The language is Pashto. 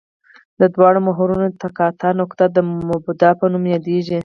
د دواړو محورونو د تقاطع نقطه د مبدا په نوم یادیږي